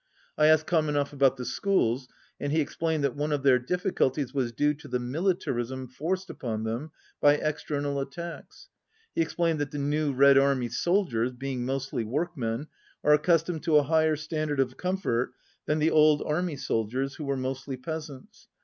I asked Ka menev about the schools, and he explained that one of their difficulties was due to the militarism forced upon them by external attacks. He ex plained that the new Red Army soldiers, being mostly workmen, are accustomed to a higher stand ard of comfort than the old army soldiers, who were mostly peasants.